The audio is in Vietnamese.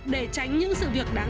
để tránh những sự việc đáng đáng